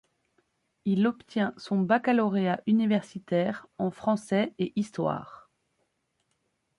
Il obtient son baccalauréat universitaire en français et histoire.